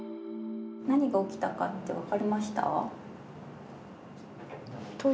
何が起きたかって分かりました？